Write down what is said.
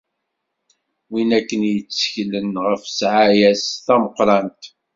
Win akken i yetteklen ɣef ssɛaya-s tameqqrant.